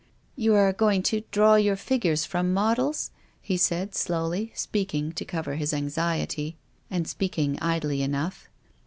"You are going to draw your figures from models? "he said, slowly, speaking to cover his anxiety, and speaking idly enough.